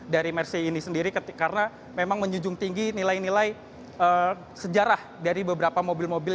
dari mercy ini sendiri karena memang menjunjung tinggi nilai nilai sejarah dari beberapa mobil mobil